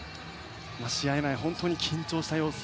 試合前、本当に緊張した様子。